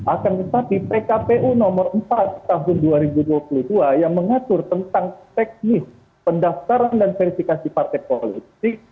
akan tetapi pkpu nomor empat tahun dua ribu dua puluh dua yang mengatur tentang teknis pendaftaran dan verifikasi partai politik